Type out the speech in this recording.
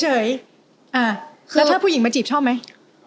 แล้วถ้าผู้หญิงมาจีบชอบไหม